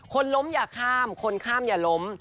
คนล้มอย่าข้ามคนข้ามอย่าล้ม